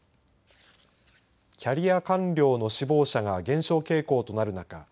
キャリア官僚の志望者が減少傾向となる中